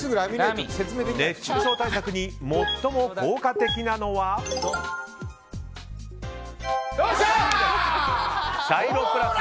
熱中症対策に最も効果的なのはＣです。